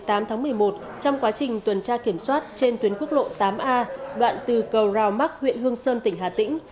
vào khoảng sáu giờ ngày một mươi tám tháng một mươi một trong quá trình tuần tra kiểm soát trên tuyến quốc lộ tám a đoạn từ cầu rau mắc huyện hương sơn tỉnh hà tĩnh